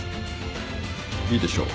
いいでしょう。